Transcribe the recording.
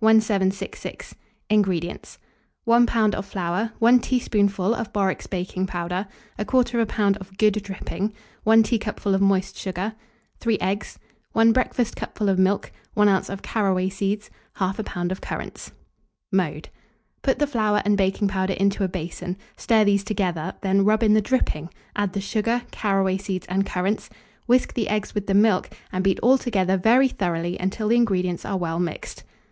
1766. INGREDIENTS. 1 lb. of flour, 1 teaspoonful of Borwick's baking powder, 1/4 lb. of good dripping, 1 teacupful of moist sugar, 3 eggs, 1 breakfast cupful of milk, 1 oz. of caraway seeds, 1/2 lb. of currants. Mode. Put the flour and baking powder into a basin; stir those together; then rub in the dripping, add the sugar, caraway seeds, and currants; whisk the eggs with the milk, and beat all together very thoroughly until the ingredients are well mixed.